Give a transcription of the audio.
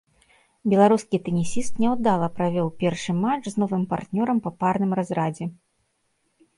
Беларускі тэнісіст няўдала правёў першы матч з новым партнёрам па парным разрадзе.